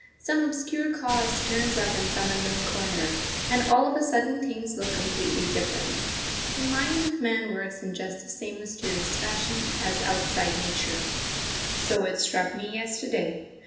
Some obscure cause turns up in some unknown corner, and all of a sudden things look completely different. The mind of man works in just the same mysterious fashion as outside Nature so it struck me yesterday.